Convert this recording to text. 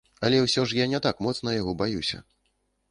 Але ўсё ж я не так моцна яго баюся.